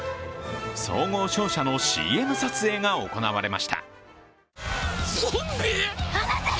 総合商社のＣＭ撮影が行われました。